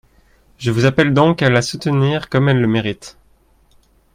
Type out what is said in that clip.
Je vous appelle donc à la soutenir comme elle le mérite.